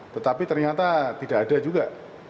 tetapi ternyata tidak ada juga